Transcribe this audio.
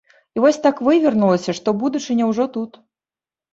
І вось так вывернулася, што будучыня ўжо тут.